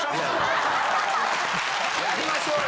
やりましょうよ。